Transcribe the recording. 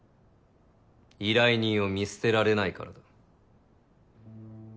依頼人を見捨てられないからだ。